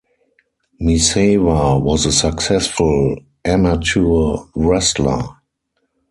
Misawa was a successful amateur wrestler.